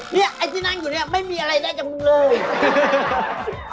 ไอ้ที่นั่งอยู่เนี่ยไม่มีอะไรได้กับมึงเลย